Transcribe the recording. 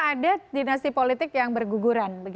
ada dinasti politik yang berguguran